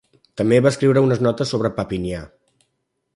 També va escriure unes notes sobre Papinià.